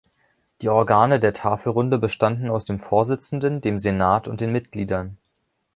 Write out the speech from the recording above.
Die Organe der Tafelrunde bestanden aus dem Vorsitzenden, dem Senat und den Mitgliedern.